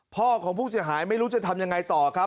พ่อของพวกสิ่งหายไม่รู้จะทำยังไงต่อครับ